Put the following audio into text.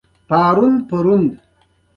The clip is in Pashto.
بېنظیري زه راوغوښتم ګیله یې وکړه